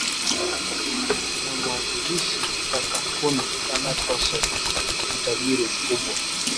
na mwanzilishi wa kampuni ya microsoft na tajiri mkubwa